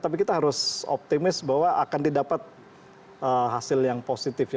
tapi kita harus optimis bahwa akan didapat hasil yang positif ya